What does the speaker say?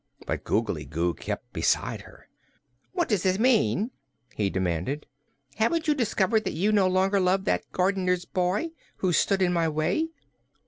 But Googly Goo kept beside her. "What does this mean?" he demanded. "Haven't you discovered that you no longer love that gardener's boy, who stood in my way?"